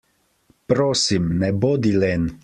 Prosim, ne bodi len.